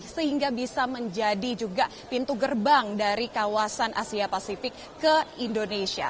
sehingga bisa menjadi juga pintu gerbang dari kawasan asia pasifik ke indonesia